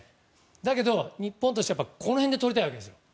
だけど日本としてはこの辺でとりたいわけですよ。